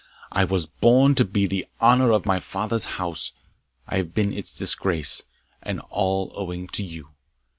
I was born to be the honour of my father's house I have been its disgrace and all owing to you.